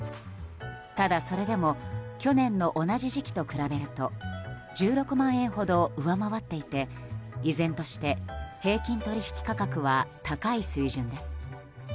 ただ、それでも去年の同じ時期と比べると１６万円ほど上回っていて依然として平均取引価格は高い水準です。